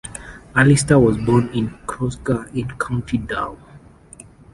Allister was born in Crossgar in County Down.